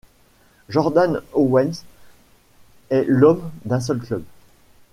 Jordan Owens est l'homme d'un seul club.